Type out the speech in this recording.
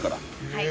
◆はい。